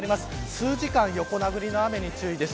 数時間横殴りの雨に注意です。